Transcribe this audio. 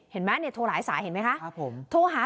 เห็นไหมโทรหาหายสายเห็นไหมคะ